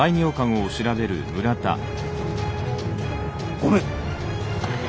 ・御免！